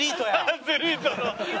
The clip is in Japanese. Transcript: アスリートの。